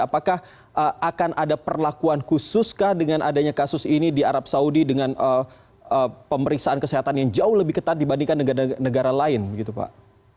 apakah akan ada perlakuan khusus kah dengan adanya kasus ini di arab saudi dengan pemeriksaan kesehatan yang jauh lebih ketat dibandingkan negara negara lain gitu pak